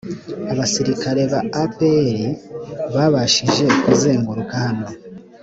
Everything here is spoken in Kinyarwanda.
abasirikare ba apr babashije kuzenguruka hano